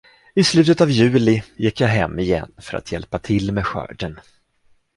I slutet av juli gick jag hem igen för att hjälpa till med skörden.